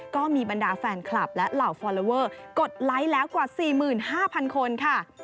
ก็มีบรรดาแฟนคลับและเหล่าฟอลลอเวอร์กดไลค์แล้วกว่า๔๕๐๐คนค่ะ